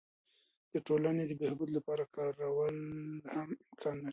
د ټولني د بهبود لپاره کارول هم امکان لري.